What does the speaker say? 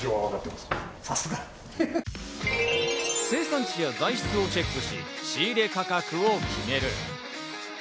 生産地や材質をチェックし、仕入れ価格を決める。